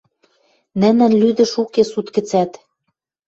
Нӹнӹн лӱдӹш уке суд гӹцӓт.